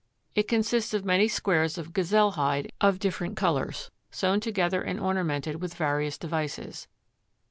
It consists of many squares of gazelle hide of different colours sewn together and ornamented with various devices.